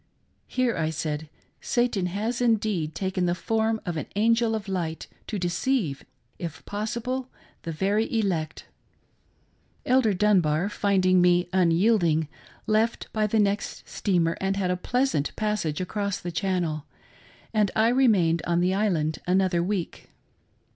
Here, I said, Satan has indeed taken the form of an angel of light to deceive, if possible, the very elect. Elder Dunbar finding me unyielding, left by the next steamer and had a pleasant passage across the Channel, and I remained on the island another week.